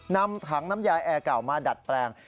นำถังน้ำยายแอร์เก่ามาดัดแปลง